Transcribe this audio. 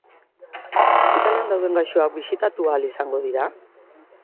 Ospitalean dauden gaixoak bisitatu ahal izango dira?